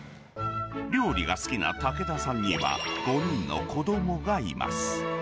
料理が好きな武田さんには、５人の子どもがいます。